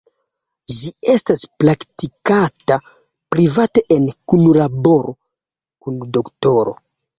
Ĝi estas praktikata private en kunlaboro kun doktoro.